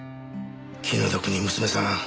気の毒に娘さん